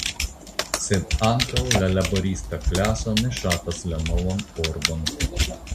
Sed ankaŭ la laborista klaso ne ŝatas la novan ordon.